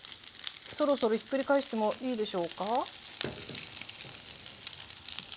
そろそろひっくり返してもいいでしょうか？